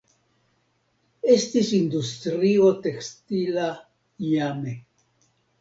Estis industrio tekstila iame.